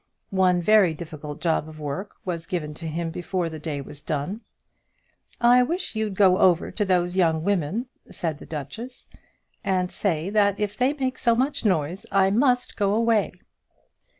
One very difficult job of work was given to him before the day was done; "I wish you'd go over to those young women," said the duchess, "and say that if they make so much noise, I must go away."